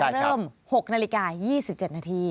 เริ่ม๖นาฬิกา๒๗นาที